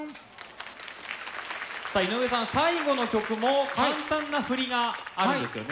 さあ井上さん最後の曲も簡単な振りがあるんですよね。